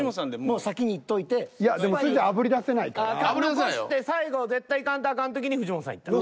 か残して最後絶対いかんとあかん時に藤本さんいったら。